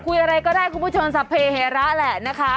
คุยอะไรก็ได้คุณผู้ชมสัพเฮระแหละนะคะ